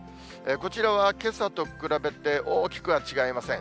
こちらはけさと比べて、大きくは違いません。